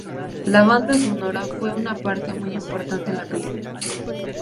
La banda sonora fue una parte muy importante en la película.